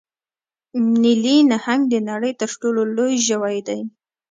نیلي نهنګ د نړۍ تر ټولو لوی ژوی دی